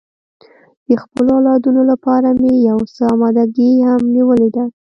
د خپلو اولادو لپاره مې یو څه اماده ګي هم نیولې ده.